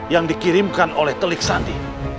yang dikirimkan oleh telik sandi